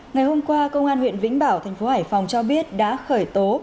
ngày hôm qua công an huyện vĩnh bảo thành phố hải phòng cho biết đã khởi tố